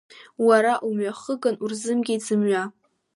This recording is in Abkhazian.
Уара умҩахыган, урзымгеит зымҩа.